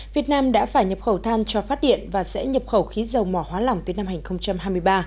việt nam đã phải nhập khẩu than cho phát điện và sẽ nhập khẩu khí dầu mỏ hóa lỏng tới năm hai nghìn hai mươi ba